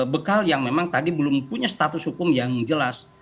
bekal yang memang tadi belum punya status hukum yang jelas